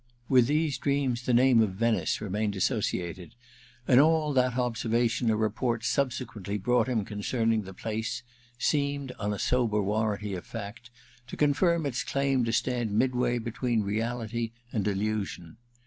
With these dreams the name of Venice remained associated ; and all that observation or report subsequently brought him concerning the place seemed, on a sober warranty of fact, to confirm its claim to stand midway between reality and illusion.